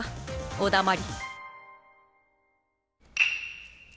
おだまり。